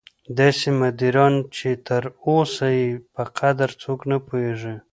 داسې مدیران چې تر اوسه یې په قدر څوک نه پوهېږي.